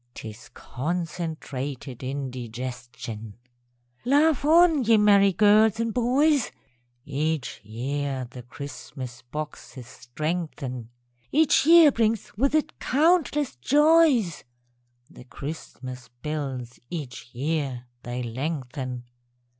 ('Tis concentrated indigestion!) Laugh on, ye merry girls and boys! (Each year the Christmas boxes strengthen,) Each year brings with it countless joys; (_The Christmas bills each year they lengthen.